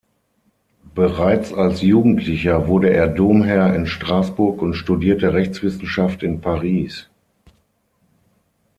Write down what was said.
Bereits als Jugendlicher wurde er Domherr in Straßburg und studierte Rechtswissenschaft in Paris.